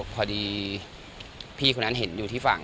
พอดีพี่คนนั้นเห็นอยู่ที่ฝั่ง